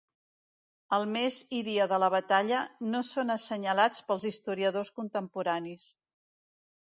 El mes i dia de la batalla no són assenyalats pels historiadors contemporanis.